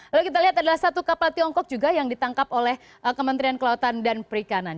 lalu kita lihat adalah satu kapal tiongkok juga yang ditangkap oleh kementerian kelautan dan perikanan